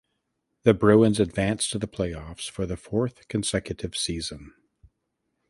The Bruins advanced to the playoffs for the fourth consecutive season.